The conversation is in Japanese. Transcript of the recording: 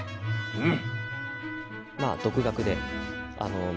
うん。